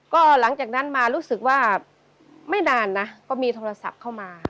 ก็หลังจากนั้นมารู้สึกว่าไม่นานนะก็มีโทรศัพท์เข้ามา